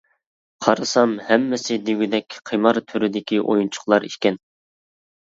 قارىسام ھەممىسى دېگۈدەك قىمار تۈرىدىكى ئويۇنچۇقلار ئىكەن.